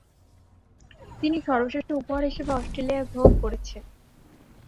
তিনি সর্বশ্রেষ্ঠ উপহার হিসেবে অস্ট্রেলিয়া গ্রহণ করেছে।